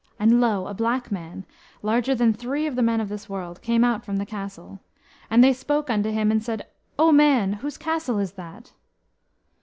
And lo! a black man, larger than three of the men of this world, came out from the castle. And they spoke unto him, and said, "O man, whose castle is that?"